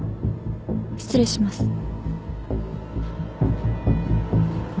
失礼します。